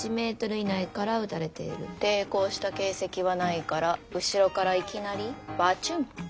抵抗した形跡はないから後ろからいきなりバチュン。